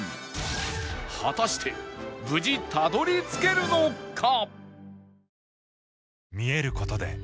果たして無事たどり着けるのか？